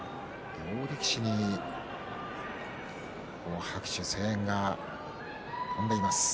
両力士に拍手、声援が飛んでいます。